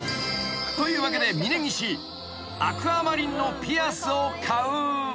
［というわけで峯岸アクアマリンのピアスを買う］